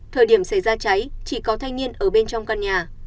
thời điểm xảy ra cháy chỉ có thanh niên ở bên trong căn nhà